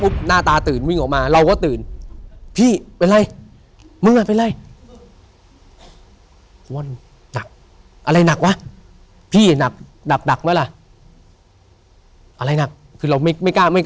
มึงก็นึกถึงมึงก็นึกถึงยังบอกว่าเพิ่งก็โดนด้วย